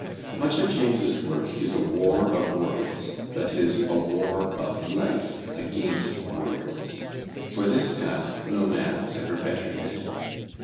Much of James's work is a war of words — that is. a war o^ of life against wor ds. For this task no man was ever better fitted.